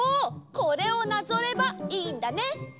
これをなぞればいいんだね！